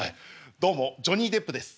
どうもジョニー・デップです。